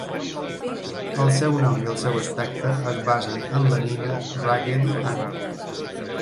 El seu nom i el seu aspecte es basen en la nina Raggedy Ann.